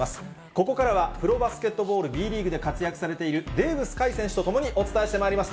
ここからは、プロバスケットボール、Ｂリーグで活躍されている、テーブス海選手と共にお伝えしてまいります。